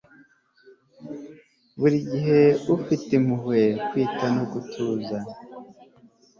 buri gihe ufite impuhwe, kwita no gutuza